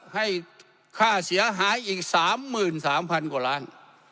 ให้ค่าเสียหายอีก๓๓๐๐๐กว่าล้าน